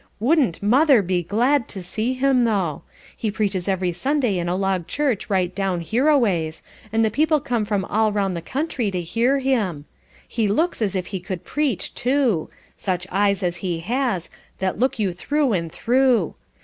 Wouldn't mother be glad to see him, though! He preaches every Sunday in a log church right down hereaways, and the people come from all round the country to hear him. He looks as if he could preach, too. Such eyes as he has, that look you through and through.